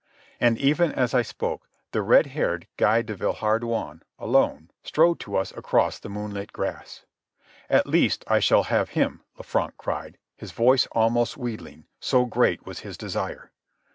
And even as I spoke the red haired Guy de Villehardouin, alone, strode to us across the moonlit grass. "At least I shall have him," Lanfranc cried, his voice almost wheedling, so great was his desire.